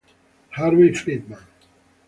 Harvey Friedman